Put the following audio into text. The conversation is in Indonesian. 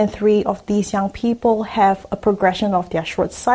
sekitar satu di tiga orang muda ini memiliki progresi kekurangan kekurangan